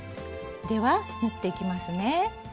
では縫っていきますね。